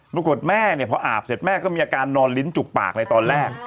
แม่เนี่ยพออาบเสร็จแม่ก็มีอาการนอนลิ้นจุกปากเลยตอนแรก